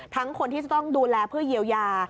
คนที่จะต้องดูแลเพื่อเยียวยา